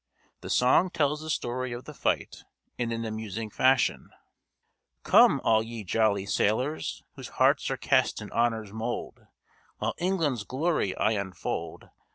The song tells the story of the fight in an amusing fashion: "Come all ye jolly sailors Whose hearts are cast in honour's mould, While England's glory I unfold.